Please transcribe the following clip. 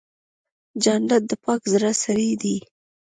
جانداد د پاک زړه سړی دی.